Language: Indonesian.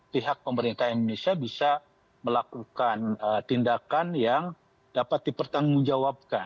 pihak pemerintah indonesia bisa melakukan tindakan yang dapat dipertanggungjawabkan